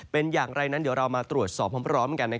เป็นอย่างไรนั้นเดี๋ยวเรามาตรวจสอบพร้อมกัน